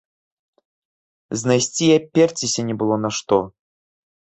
Знайсці і абаперціся не было на што.